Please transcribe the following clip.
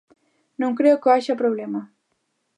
Non creo que haxa problema.